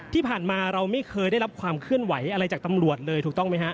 ที่ผ่านมาเราไม่เคยได้รับความเคลื่อนไหวอะไรจากตำรวจเลยถูกต้องไหมฮะ